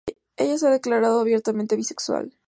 Ella se ha declarado abiertamente bisexual.